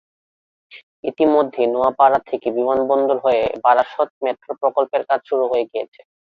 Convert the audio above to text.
ইতিমধ্যেই নোয়াপাড়া থেকে বিমানবন্দর হয়ে বারাসত মেট্রো প্রকল্পের কাজ শুরু হয়ে গিয়েছে।